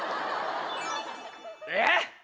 えっ！